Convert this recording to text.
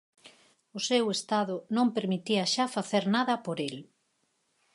O seu estado non permitía xa facer nada por el.